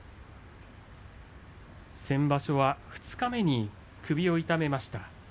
先場所二日目に首を痛めました。